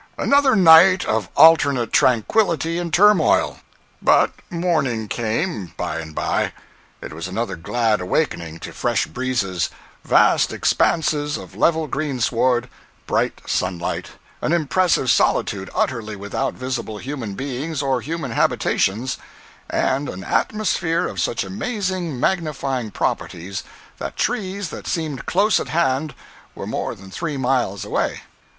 Another night of alternate tranquillity and turmoil. But morning came, by and by. It was another glad awakening to fresh breezes, vast expanses of level greensward, bright sunlight, an impressive solitude utterly without visible human beings or human habitations, and an atmosphere of such amazing magnifying properties that trees that seemed close at hand were more than three mile away.